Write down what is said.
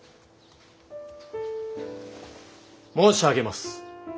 ・申し上げます